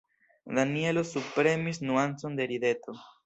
Danjelo subpremis nuancon de rideto.